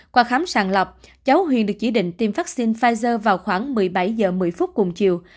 qua khám sàng lọc cháu huyền được chỉ định tiêm vaccine pfizer vào khoảng một mươi bảy h một mươi phút cùng chiều